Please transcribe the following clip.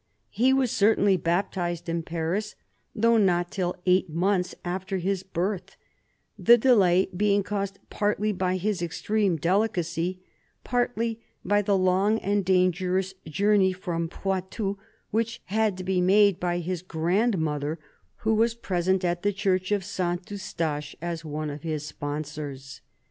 He was certainly baptized in Paris, though not till eight months after his birth, the delay being caused partly by his extreme delicacy, partly by the long and dangerous journey from Poitou which had to be made by his grand mother, who was present at the church of Saint Eustache as one of his sponsors.